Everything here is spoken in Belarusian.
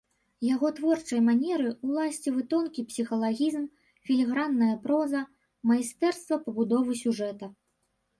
Яго творчай манеры ўласцівы тонкі псіхалагізм, філігранная проза, майстэрства пабудовы сюжэта.